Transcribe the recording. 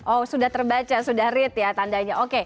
oh sudah terbaca sudah read ya tandanya oke